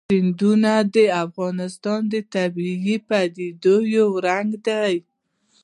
سیندونه د افغانستان د طبیعي پدیدو یو رنګ دی.